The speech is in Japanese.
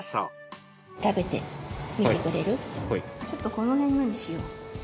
ちょっとこのへんのにしよう。